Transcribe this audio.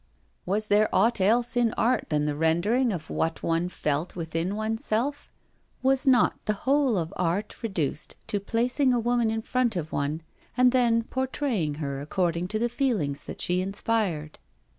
Was there aught else in art than the rendering of what one felt within oneself? Was not the whole of art reduced to placing a woman in front of one and then portraying her according to the feelings that she inspired?